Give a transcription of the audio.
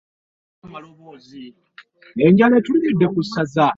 The exterior features rich decorative works in tile as well.